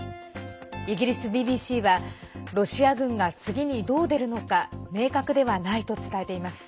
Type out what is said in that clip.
イギリスＢＢＣはロシア軍が次にどう出るのか明確ではないと伝えています。